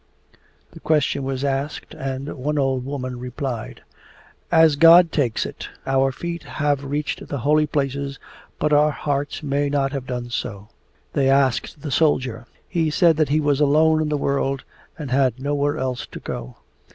The question was asked, and one old woman replied: 'As God takes it. Our feet have reached the holy places, but our hearts may not have done so.' They asked the soldier. He said that he was alone in the world and had nowhere else to go.